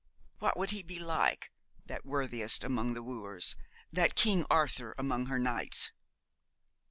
What would he be like, that worthiest among the wooers, that King Arthur among her knights?